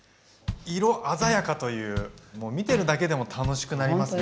色鮮やかというもう見てるだけでも楽しくなりますね。